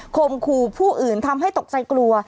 มขู่ผู้อื่นทำให้ตกใจกลัว